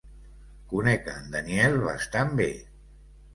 Conec a en Daniel bastant bé.